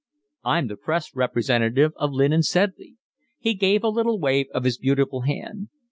"I'm the press representative of Lynn and Sedley." He gave a little wave of his beautiful hand.